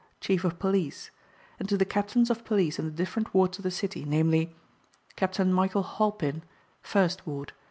Chief of Police; and to the Captains of Police in the different wards of the city, namely, Capt. Michael Halpin, 1st ward.